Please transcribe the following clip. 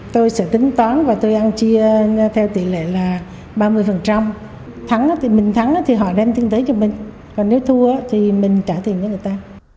tôi sẽ tính toán và tôi ăn chia theo tỷ lệ là ba mươi thắng thì mình thắng thì họ đem kinh tế cho mình còn nếu thua thì mình trả tiền cho người ta